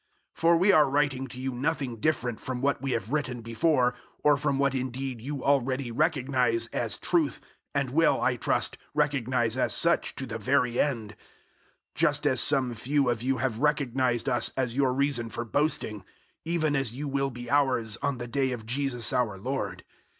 001:013 For we are writing to you nothing different from what we have written before, or from what indeed you already recognize as truth and will, I trust, recognize as such to the very end; 001:014 just as some few of you have recognized us as your reason for boasting, even as you will be ours, on the day of Jesus our Lord.